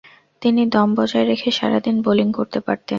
তিনি দম বজায় রেখে সারাদিন বোলিং করতে পারতেন।